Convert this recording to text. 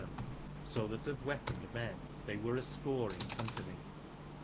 3 tbem, so tbat of weaponed men tbey were a 173 ecorc in company.